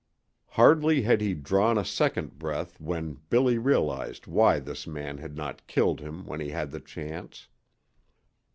Hardly had he drawn a second breath when Billy realized why this man had not killed him when he had the chance.